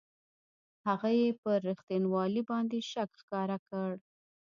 هغه یې پر رښتینوالي باندې شک ښکاره کړ.